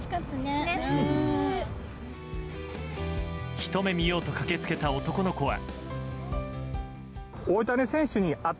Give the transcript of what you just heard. ひと目見ようと駆けつけた男の子は。